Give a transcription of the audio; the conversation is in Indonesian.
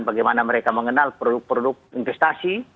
bagaimana mereka mengenal produk produk investasi